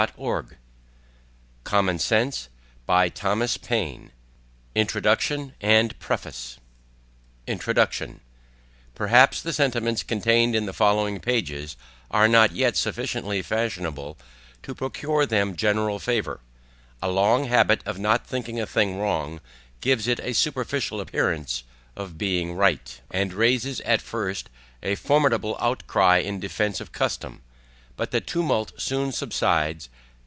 OF THE PRESENT ABILITY OF AMERICA, WITH SOME MISCELLANEOUS REFLEXIONS INTRODUCTION PERHAPS the sentiments contained in the following pages, are not YET sufficiently fashionable to procure them general favor; a long habit of not thinking a thing WRONG, gives it a superficial appearance of being RIGHT, and raises at first a formidable outcry in defence of custom. But the tumult soon subsides.